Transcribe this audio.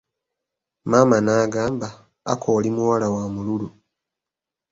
Maama n'agamba, Aku oli muwala w'amululu.